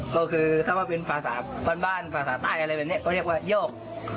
ก็คือถ้าว่าเป็นภาษาบ้านภาษาใต้อะไรแบบนี้ก็เรียกว่ายอก